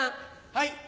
はい！